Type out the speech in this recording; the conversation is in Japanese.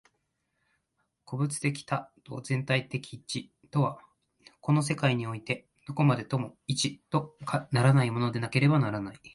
個物的多と全体的一とは、この世界においてどこまでも一とならないものでなければならない。